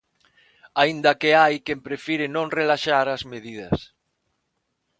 Aínda que hai quen prefire non relaxar as medidas.